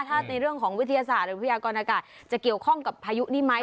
ถ้าในเรื่องของวิทยาศาสตร์หรือพยากรอากาศจะเกี่ยวข้องกับพายุนี่ไหม